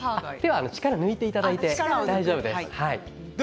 力を抜いていただくだけで大丈夫です。